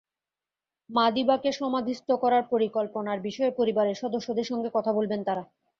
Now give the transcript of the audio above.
মাদিবাকে সমাধিস্থ করার পরিকল্পনার বিষয়ে পরিবারের সদস্যদের সঙ্গে কথা বলবেন তাঁরা।